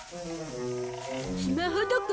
スマホどこ？